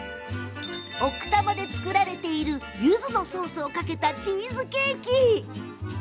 奥多摩で作られているゆずのソースをかけたチーズケーキ。